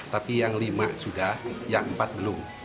tapi yang lima sudah yang empat belum